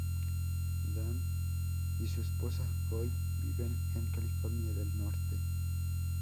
Dan y su esposa Joy viven en California del norte.